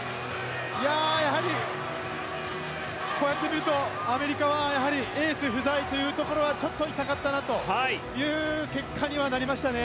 やはり、こうやって見るとアメリカはエース不在というところはちょっと痛かったという結果にはなりましたね。